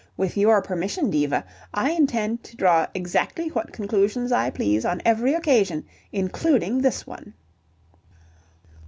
With your permission, Diva, I intend to draw exactly what conclusions I please on every occasion, including this one."